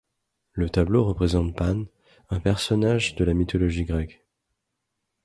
Le tableau représente Pan, un personnage de la mythologie grecque.